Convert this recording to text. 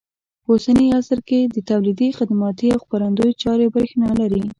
په اوسني عصر کې د تولیدي، خدماتي او خپرندوی چارې برېښنا لري.